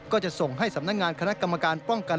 ก็จะส่งให้สำนักงานคณะกรรมการป้องกัน